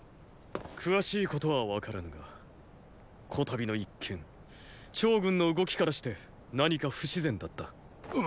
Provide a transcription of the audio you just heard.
詳しいことは分からぬが此度の一件趙軍の動きからして何か不自然だった。